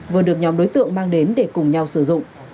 vừa được nhóm đối tượng mang đến để cùng nhau sử dụng